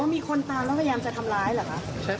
อ๋อมีคนตามแล้วก็ยามจะทำร้ายหรือคะ